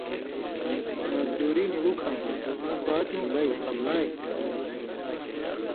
مزدُوری نی لُکھاں تھہ، سېوں پاتیُوں بئ (قبلائ)۔